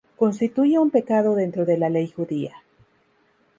Constituye un pecado dentro de la Ley judía.